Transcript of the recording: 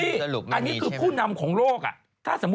อันนี้คือผู้นำของโลก